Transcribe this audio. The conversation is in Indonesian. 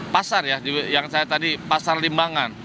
pasar ya yang saya tadi pasar limbangan